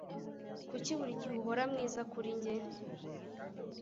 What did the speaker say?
Kuki buri gihe uhora mwiza kuri njye?